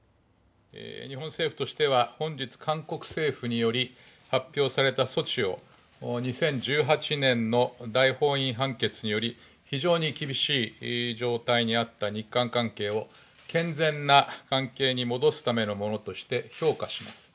日本政府としては本日韓国政府により発表された措置を２０１８年大法院判決により非常に厳しい状態にあった日韓関係を健全な関係に戻すためのものとして評価します。